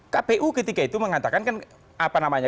kpu ketika itu mengatakan kan apa namanya